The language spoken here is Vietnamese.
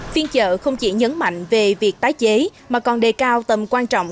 phiên chợ không chỉ nhấn mạnh về việc tái chế mà còn đề cao tầm quan trọng